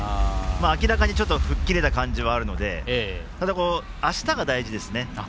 明らかに吹っ切れた感じはあるのであしたが大事ですよね。